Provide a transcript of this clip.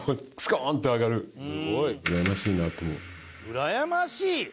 「うらやましい！」